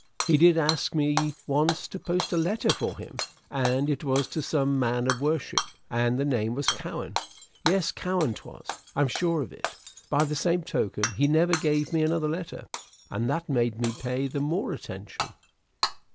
He did ask me once to post a letter for him, and it was to some man of worship, and the name was Cowen, yes Cowen 'twas. I'm sure of it. By the same token, he never gave me another letter, and that made me pay the more attention."